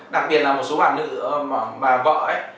đặc biệt là một số bà nữ và vợ ấy